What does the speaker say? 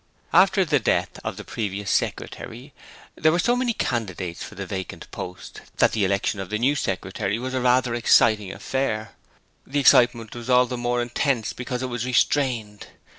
After the death of the previous secretary there were so many candidates for the vacant post that the election of the new secretary was a rather exciting affair. The excitement was all the more intense because it was restrained.